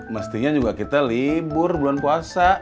mestinya juga kita libur bulan puasa